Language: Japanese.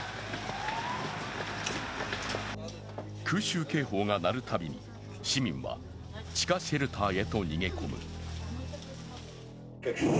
空襲警報が鳴るたびに、市民は地下シェルターへと逃げ込む。